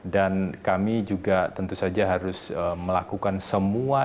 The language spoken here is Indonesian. dan kami juga tentu saja harus melakukan semua itu